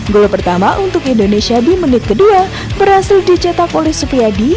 gol pertama untuk indonesia di menit kedua berhasil dicetak oleh supriyadi